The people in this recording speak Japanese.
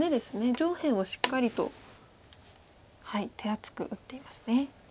上辺をしっかりと手厚く打っていますね。